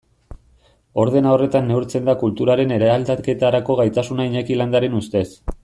Ordena horretan neurtzen da kulturaren eraldaketarako gaitasuna Iñaki Landaren ustez.